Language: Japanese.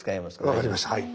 分かりましたはい。